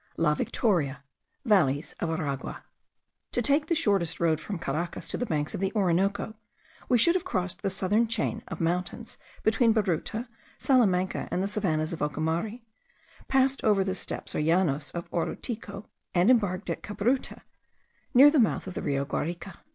LA VICTORIA. VALLEYS OF ARAGUA. To take the shortest road from Caracas to the banks of the Orinoco, we should have crossed the southern chain of mountains between Baruta, Salamanca, and the savannahs of Ocumare, passed over the steppes or llanos of Orituco, and embarked at Cabruta, near the mouth of the Rio Guarico.